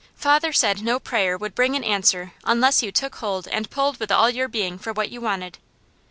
Father said no prayer would bring an answer unless you took hold and pulled with all your being for what you wanted.